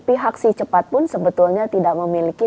pihak si cepat pun sebetulnya tidak memiliki